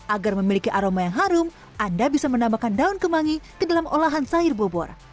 agar memiliki aroma yang harum anda bisa menambahkan daun kemangi ke dalam olahan sayur bobor